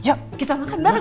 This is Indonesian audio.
yuk kita makan bareng